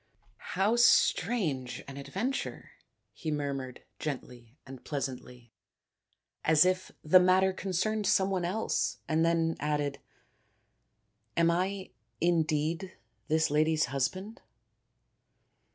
" How strange an adven ture !" he murmured gently and pleasantly, as if the matter concerned some one else, and then added, " Am I indeed this lady's husband